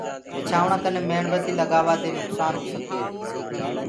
ٻِچآوڻآ ڪني ميڻ بتي لگآوآ دي نڪسآن هو سڪدو هي۔